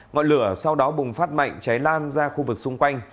ngọn lửa sau đó bùng phát mạnh cháy lan ra khu vực xung quanh